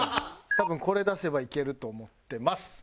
多分これ出せばいけると思ってます。